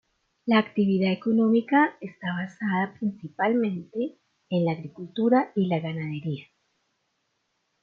La actividad económica está basada principalmente en la agricultura y la ganadería.